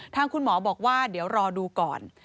ทางคุณหมอบอกว่าเดี๋ยวรอดูก่อน